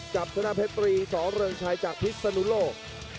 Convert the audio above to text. กับชนะเพชรตรีสอเริงชัยจากพิษนุโลก